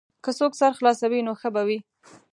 که څوک سر خلاصوي نو ښه به وي.